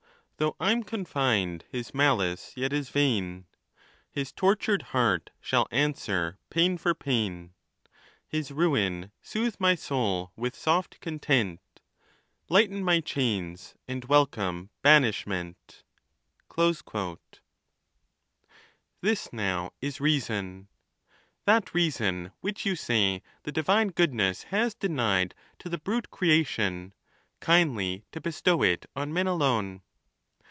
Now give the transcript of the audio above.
Though I'm confined, his malice yet is vain, His tortured heart shall answer pain for pain ; His ruin soothe my soul with soft content, Lighten my chains, and welcome banishment ! This, now, is reason ; that reason which you say the di vine goodness has denied to the brute creation, kindly to bestow it on men alone.